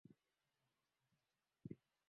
Yeye alikuwa Balozi wake Umoja wa Mataifa